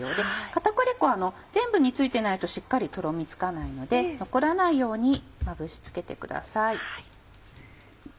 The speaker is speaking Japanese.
片栗粉全部に付いてないとしっかりとろみつかないので残らないようにまぶし付けてください。